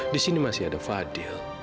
di sini masih ada fadil